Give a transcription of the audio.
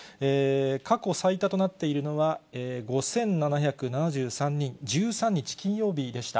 過去最多となっているのは、５７７３人、１３日金曜日でした。